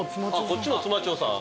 こっちもつま長さん？